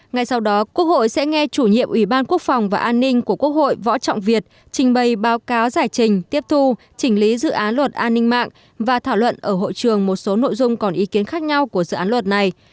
ngay sau đó quốc hội sẽ nghe chủ nhiệm ủy ban quốc phòng và an ninh của quốc hội võ trọng việt trình bày báo cáo giải trình tiếp thu chỉnh lý dự án luật an ninh mạng và thảo luận ở hội trường một số nội dung còn ý kiến khác nhau của dự án luật này